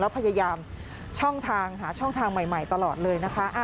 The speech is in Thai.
แล้วพยายามหาช่องทางใหม่ตลอดเลยนะคะ